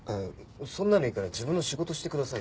そんなのいいから自分の仕事してくださいよ。